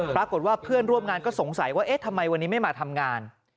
ปรากฏว่าเพื่อนร่วมงานก็สงสัยว่าทำไมวันนี้ไม่มาทำงาน